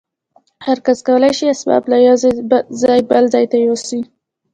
هر کس کولای شي اسباب له یوه ځای بل ته یوسي